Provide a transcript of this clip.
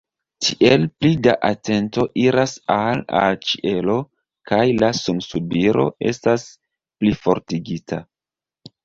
Tiel pli da atento iras al al ĉielo kaj la sunsubiro estas plifortigita.